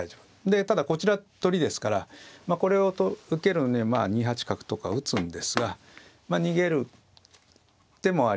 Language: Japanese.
でただこちら取りですからこれを受けるのには２八角とか打つんですが逃げる手もあります。